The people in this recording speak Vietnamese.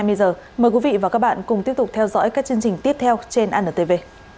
mời quý vị và các bạn cùng tiếp tục theo dõi các chương trình tiếp theo trên antv